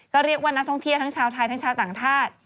ก็เรียกว่านักท่องเที่ยวทั้งชาวไทยทั้งชาวต่างชาติ